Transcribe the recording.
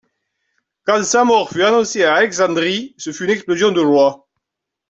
Quand sa mort fut annoncée à Alexandrie, ce fut une explosion de joie.